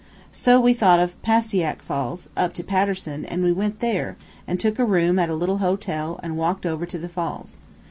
So we thought of Passaic Falls, up to Paterson, an' we went there, an' took a room at a little hotel, an' walked over to the falls.